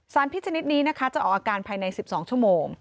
พิษชนิดนี้นะคะจะออกอาการภายใน๑๒ชั่วโมง